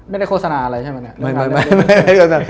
ไม่ได้โฆษณาอะไรใช่มั้ย